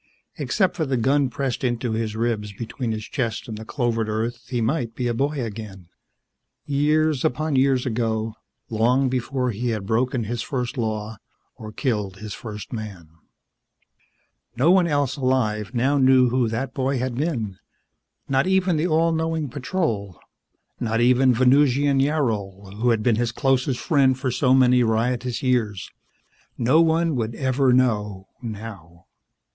Except for the gun pressed into his ribs between his chest and the clovered earth, he might be a boy again, years upon years ago, long before he had broken his first law or killed his first man. No one else alive now knew who that boy had been. Not even the all knowing Patrol. Not even Venusian Yarol, who had been his closest friend for so many riotous years. No one would ever know now.